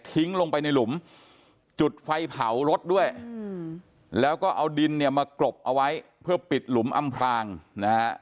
ลงไปในหลุมจุดไฟเผารถด้วยแล้วก็เอาดินเนี่ยมากรบเอาไว้เพื่อปิดหลุมอำพลางนะฮะ